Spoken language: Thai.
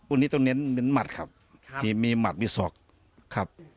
วันนี้ต้องเน้นหมัดครับมีหมัดมีศอกครับ